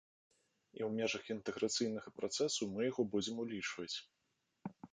І ў межах інтэграцыйнага працэсу мы яго будзем улічваць.